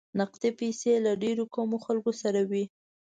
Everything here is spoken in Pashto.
نقدې پیسې له ډېرو کمو خلکو سره وې.